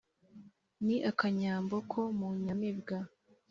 ni akanyambo ko mu nyamibwa